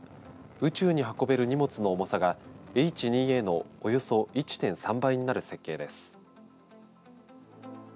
宇宙に運べる荷物の重さがＨ２Ａのおよそ１．３倍になる設計です。